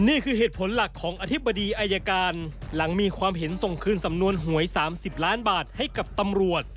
นี่คือเหตุผลหลักของอธิบดีอายการหลังมีความเห็นส่งคืนสำนวนหวย๓๐ล้านบาทให้กับตำรวจ